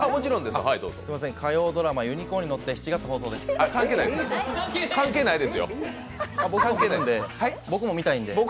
すいません、火曜ドラマ「ユニコーンに乗って」スタートです。